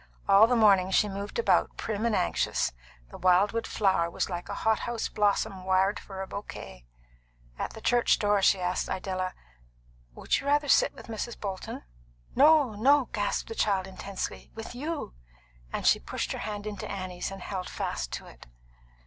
All the morning she moved about prim and anxious; the wild wood flower was like a hot house blossom wired for a bouquet. At the church door she asked Idella, "Would you rather sit with Mrs. Bolton?" "No, no," gasped the child intensely; "with you!" and she pushed her hand into Annie's, and held fast to it.